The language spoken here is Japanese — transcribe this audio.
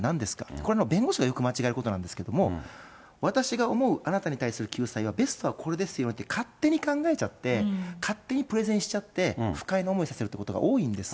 これも弁護士がよく間違えることなんですけれども、私が思うあなたに対する救済はベストはこれですよと、勝手に考えちゃって、勝手にプレゼンしちゃって、不快な思いさせるってことが多いんです。